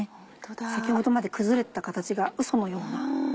先ほどまで崩れてた形がウソのように。